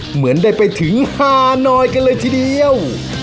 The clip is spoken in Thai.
เหมือนได้ไปถึงฮานอยกันเลยทีเดียว